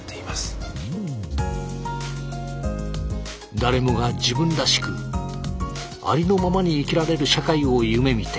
誰もが自分らしくありのままに生きられる社会を夢みて。